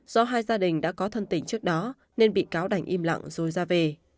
do hai gia đình đã có thân tỉnh trước đó nên bị cáo đành im lặng rồi ra về